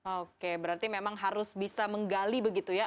oke berarti memang harus bisa menggali begitu ya